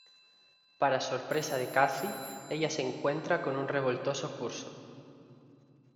Para sorpresa de Cathy, ella se encuentra con un revoltoso curso.